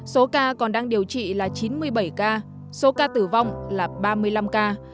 số ca còn đang điều trị là chín mươi bảy ca số ca tử vong là ba mươi năm ca